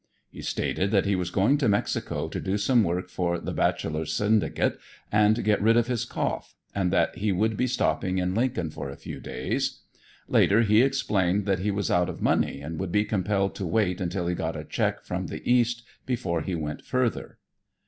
He stated that he was going to Mexico to do some work for the Bacheller Syndicate and get rid of his cough, and that he would be stopping in Lincoln for a few days. Later he explained that he was out of money and would be compelled to wait until he got a check from the East before he went further.